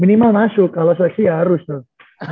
minimal masuk kalo seleksi ya harus tuh